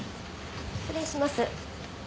失礼します。